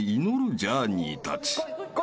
ジャーニーたち］